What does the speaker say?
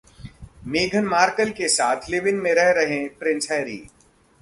मेघन Markle के साथ live इन में रह रहे हैं प्रिंस हैरी!